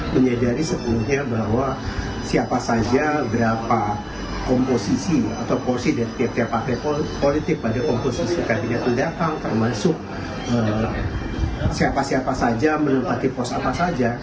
menyadari sepenuhnya bahwa siapa saja berapa komposisi atau porsi dari tiap tiap partai politik pada komposisi kabinet mendatang termasuk siapa siapa saja menempati pos apa saja